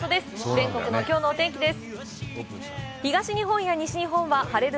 全国のきょうのお天気です。